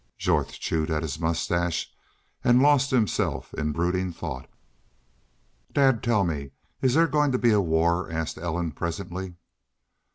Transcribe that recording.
Jorth chewed at his mustache and lost himself in brooding thought. "Dad, tell me, is there goin' to be a war?" asked Ellen, presently.